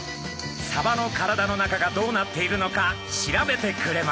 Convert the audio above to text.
サバの体の中がどうなっているのか調べてくれました。